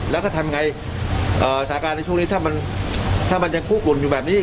แล้วทำไงสถานการณ์ในช่วงนี้